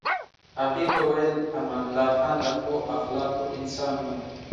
هغې به ویل امان الله خان د ښو اخلاقو انسان و.